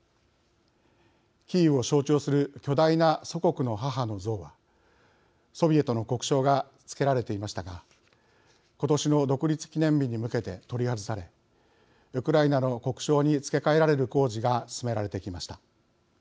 キーウを象徴する巨大な祖国の母の像はソビエトの国章が付けられていましたが今年の独立記念日に向けて取り外されウクライナの国章に付け替えられる工事が進められてきました。